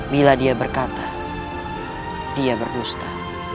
bila dia berkata dia berdusta